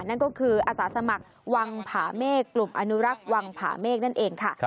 นั่นก็คืออาสาสมัครวังผาเมฆกลุ่มอนุรักษ์วังผาเมฆนั่นเองค่ะ